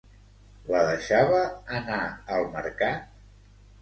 La deixava anar al mercat?